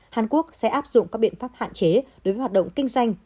hàn quốc sẽ áp dụng các biện pháp hạn chế đối với hoạt động kinh doanh